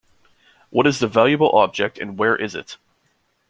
What is the valuable object and where is it?